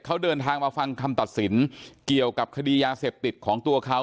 เขาเดินทางมาฟังคำตัดสินเกี่ยวกับคดียาเสพติดของตัวเขา